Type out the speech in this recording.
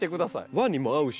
和にも合うし。